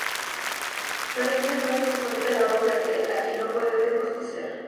Filoctetes, entonces, se somete a la voz de aquel a quien no puede desobedecer.